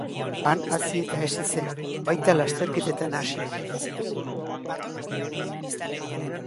Han hazi eta hezi zen, baita lasterketetan hasi ere.